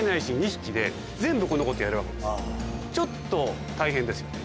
ちょっと大変ですよね。